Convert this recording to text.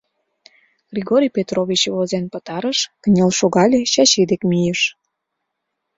Григорий Петрович возен пытарыш, кынел шогале, Чачи дек мийыш: